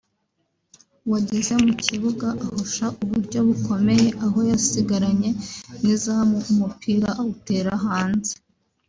wageze mu kibuga ahusha uburyo bukomeye aho yasigaranye n’izamu umupira awutera hanze